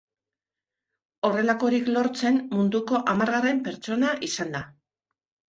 Horrelakorik lortzen, munduko hamargarren pertsona izan da.